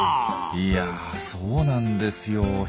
いやそうなんですよヒゲじい。